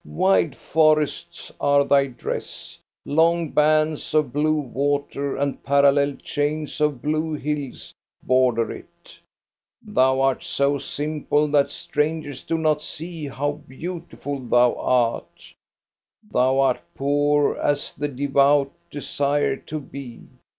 Wide forests are thy dress. Long bands of blue water and parallel chains of blue hills border it. Thou art so simple that strangers do not see how beautiful thou art. Thou art poor, as the devout desire to be.